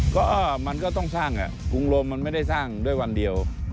ก็มันก็ต้องสร้างกรุงลมมันไม่ได้สร้างด้วยวันเดียว